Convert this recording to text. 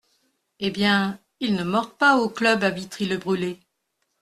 Eh bien, ils ne mordent pas au club à Vitry-le-Brûlé.